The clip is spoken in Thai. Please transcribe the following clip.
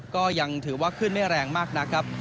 ก็ยังถือว่าขึ้นไม่แรงมากนักครับ